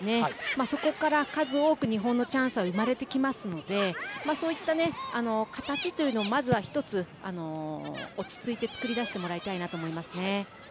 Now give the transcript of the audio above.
そこから数多く日本のチャンスは生まれてきますのでそういった形というのをまずは１つ落ち着いて作り出してもらいたいなと思います。